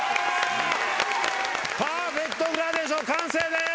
パーフェクトグラデーション完成です！